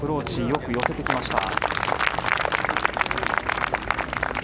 よく寄せてきました。